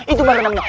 itu baru namanya